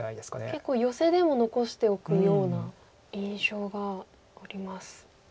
結構ヨセでも残しておくような印象があります。